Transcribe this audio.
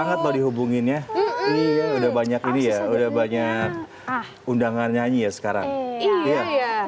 sa terakan berpindah karena susah ya